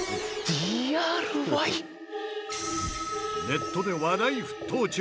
ネットで話題沸騰中！